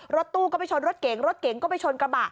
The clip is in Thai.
รถตู้ก็ไปชนรถเก๋งรถเก๋งก็ไปชนกระบะ